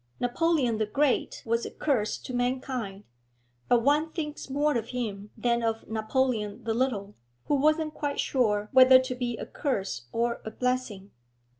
Napoleon the Great was a curse to mankind, but one thinks more of him than of Napoleon the Little, who wasn't quite sure whether to be a curse or a blessing.